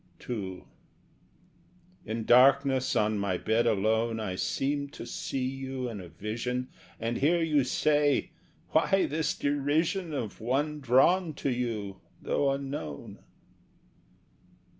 II In darkness on my bed alone I seemed to see you in a vision, And hear you say: "Why this derision Of one drawn to you, though unknown?"